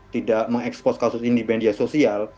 tidak mengekspos kasus ini di media sosial